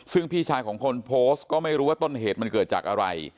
ซึ่งพี่ชายของคนโพสต์ก็ไม่รู้ว่าต้นเหตุมันเกิดจากอะไร